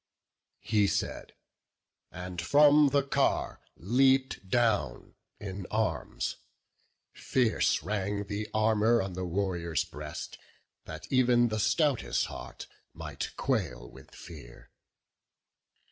He said; and from the car leap'd down in arms: Fierce rang the armour on the warrior's breast, That ev'n the stoutest heart might quail with fear.